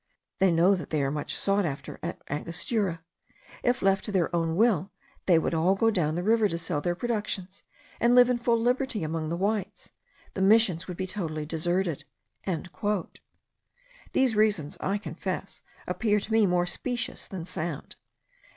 They know that they are much sought after at Angostura. If left to their own will, they would all go down the river to sell their productions, and live in full liberty among the whites. The Missions would be totally deserted." These reasons, I confess, appeared to me more specious than sound.